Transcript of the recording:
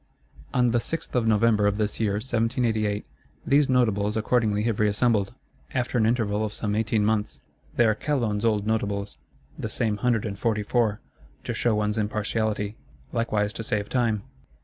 On the 6th of November of this year 1788, these Notables accordingly have reassembled; after an interval of some eighteen months. They are Calonne's old Notables, the same Hundred and Forty four,—to show one's impartiality; likewise to save time.